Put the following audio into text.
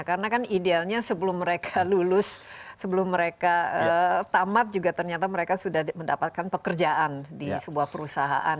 karena kan idealnya sebelum mereka lulus sebelum mereka tamat juga ternyata mereka sudah mendapatkan pekerjaan di sebuah perusahaan